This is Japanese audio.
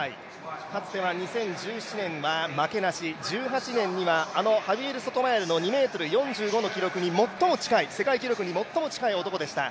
かつては２０１７年は負けなし１８年にはあの２ｍ４５の記録に最も近い世界記録に最も近い男でした。